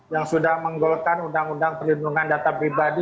yang sudah menggolkan undang undang perlindungan data pribadi